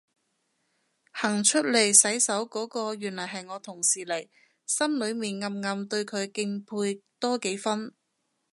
行出嚟洗手嗰下原來係我同事嚟，心裏面暗暗對佢敬佩多幾分